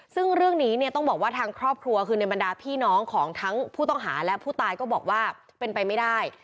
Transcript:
ซึ่งเรื่องนี้เนี่ยต้องบอกว่าทางครอบครัวคือในบรรดาพี่น้องของทั้งผู้ต้องหาและผู้ตายก็บอกว่าเป็นไปไม่ได้